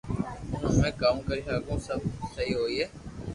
ھون ھمي ڪاو ڪري ھگو سب سھي ھوئي